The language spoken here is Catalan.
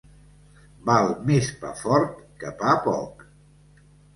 Val més pa fort que pa poc.